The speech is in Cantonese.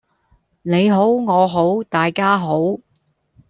你好我好大家好